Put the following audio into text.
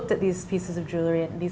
kita melihat juri ini